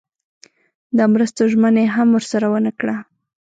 د مرستو ژمنه یې هم ورسره ونه کړه.